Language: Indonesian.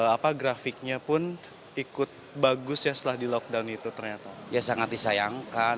apa grafiknya pun ikut bagus ya setelah di lockdown itu ternyata ya sangat disayangkan